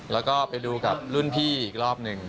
แล้วก็ไปดูกับรุ่นพี่อีกรอบหนึ่ง